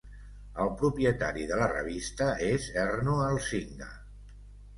El propietari de la revista és Erno Elsinga.